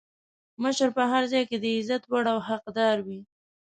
مشر په هر ځای کې د عزت وړ او حقدار وي.